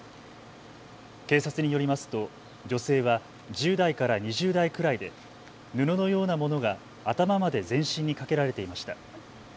警察によりますと女性は１０代から２０代くらいで布のようなものが頭まで全身にかけられていました。